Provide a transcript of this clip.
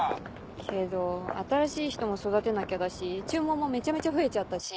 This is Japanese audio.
けど新しい人も育てなきゃだし注文もめちゃめちゃ増えちゃったし。